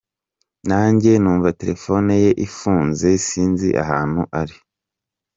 Nanjye numva telefone ye ifunze, sinzi ahantu ari”.